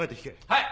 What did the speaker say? はい！